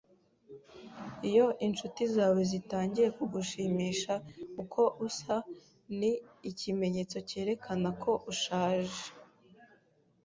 Iyo inshuti zawe zitangiye kugushimisha uko usa, ni ikimenyetso cyerekana ko ushaje.